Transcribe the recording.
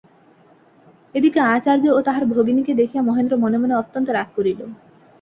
এ দিকে আচার্য ও তাহার ভগিনীকে দেখিয়া মহেন্দ্র মনে মনে অত্যন্ত রাগ করিল।